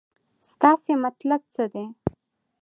ستاسې مطلب څه دی.